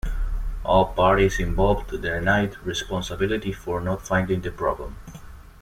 All parties involved denied responsibility for not finding the problem.